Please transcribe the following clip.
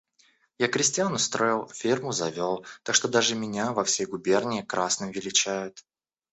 Я крестьян устроил, ферму завел, так что даже меня во всей губернии красным величают.